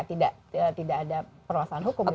tidak ada perawasan hukum